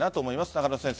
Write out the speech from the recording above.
中野先生